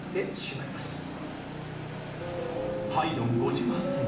ハイドン５８歳の時